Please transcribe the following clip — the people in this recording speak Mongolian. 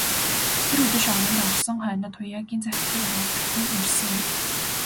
Тэр үдэш оронд орсон хойноо Туяагийн захидлыг арав дахин уншсан юм.